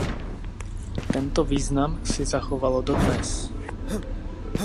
Tento význam si zachovalo dodnes.